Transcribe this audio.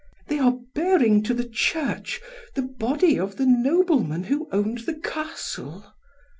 "They are bearing to the church, the body of the Nobleman who owned the Castle."